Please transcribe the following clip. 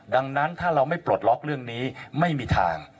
ดังนั้นถ้าเราไม่ปลดล็อกเรื่องนี้ไม่มีทาง